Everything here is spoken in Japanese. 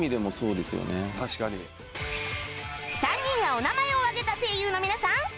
３人がお名前を挙げた声優の皆さん